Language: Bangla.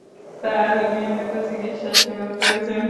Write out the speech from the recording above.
তার নিয়মিত চিকিৎসা সেবা প্রয়োজন।